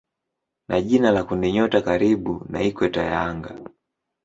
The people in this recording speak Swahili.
ni jina la kundinyota karibu na ikweta ya anga.